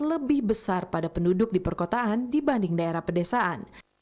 lebih besar pada penduduk di perkotaan dibanding daerah pedesaan